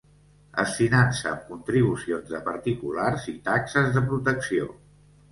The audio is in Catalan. Es finança amb contribucions de particulars i taxes de protecció.